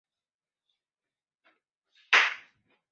刺史尹耀逮捕了强盗。